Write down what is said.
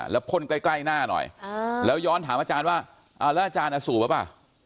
แล้วพ่นใกล้หน้าหน่อยแล้วย้อนถามอาจารย์ว่าเรารอจารย์สูบปะ